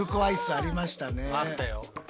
あったよ。